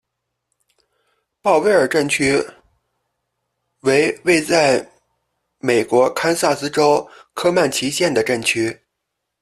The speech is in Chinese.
鲍威尔镇区为位在美国堪萨斯州科曼奇县的镇区。